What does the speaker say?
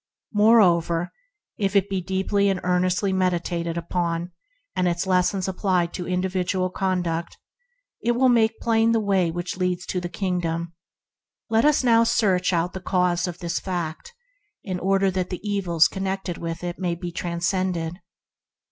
More over, if it be deeply and earnestly meditated upon, and its lessons applied to individual conduct, it will make plain the Way which leads to the Kingdom. Let us now search out the cause of this fact, in order that the evils connected with it may be transcended.